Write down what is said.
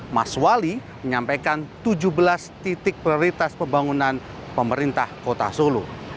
mas wali menyampaikan tujuh belas titik prioritas pembangunan pemerintah kota solo